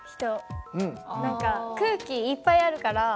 何か空気いっぱいあるから。